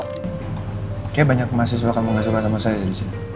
kayaknya banyak mahasiswa kamu nggak suka sama saya disini